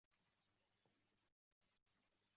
Brekket ko`zini olib qochdi